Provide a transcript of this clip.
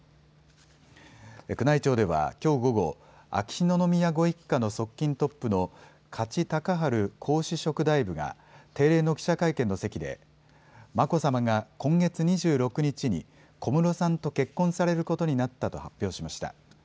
宮内庁ではきょう午後、秋篠宮ご一家の側近トップの加地隆治皇嗣職大夫が定例の記者会見の席で眞子さまが今月２６日に小室さんと結婚されることになったと発表しました。